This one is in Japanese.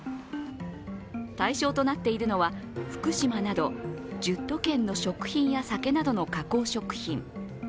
対象となっているのは福島など１０都県の食品や酒などの加工食品。